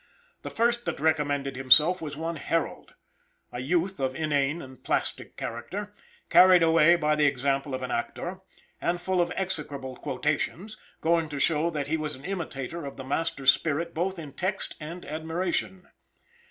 The first that recommended himself was one Harold, a youth of inane and plastic character, carried away by the example of an actor, and full of execrable quotations, going to show that he was an imitator of the master spirit both in text and admiration.